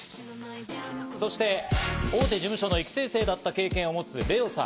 そして、大手事務所の育成生だった経験を持つレオさん。